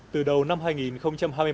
từ đầu năm hai nghìn